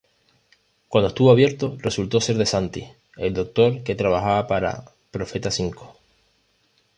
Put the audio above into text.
Cuando estuvo abierto, resultó ser Desantis el doctor que trabajaba para Profeta Cinco.